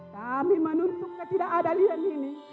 kami menuntutnya tidak ada yang ini